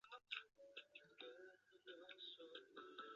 一个深一点的经典例子是三维射影空间里线组成的空间。